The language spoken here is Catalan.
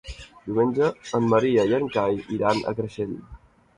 Diumenge en Maria i en Cai iran a Creixell.